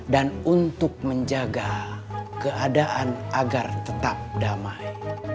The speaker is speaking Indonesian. dan untuk menjaga keadaan agar tetap damai